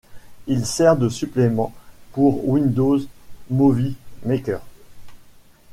Il sert de supplément pour Windows Movie Maker.